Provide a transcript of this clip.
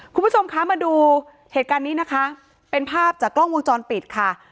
คุณผู้ชมคะมาดูเหตุการณ์นี้นะคะเป็นภาพจากกล้องวงจรปิดค่ะ